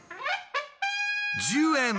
１０円！